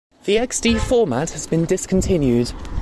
The xD format has been discontinued.